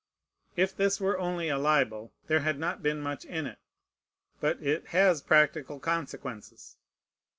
If this were only a libel, there had not been much in it. But it has practical consequences.